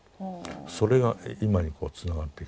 それが今にこうつながってきた。